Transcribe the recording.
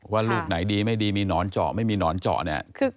ว่าลูกไหนดีไม่ดีมีหนอนเจาะไม่มีหนอนเจาะเนี่ย